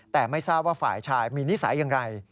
แต่ไม่ทราบว่าฝ่ายชายมีนิสัยอย่างไร